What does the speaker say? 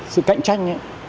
sự cạnh tranh